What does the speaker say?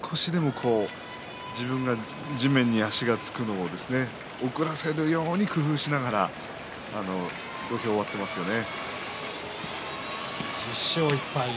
回りながら少しでも自分地面に足がつくのを遅らせるように工夫しながら土俵を割っていますね。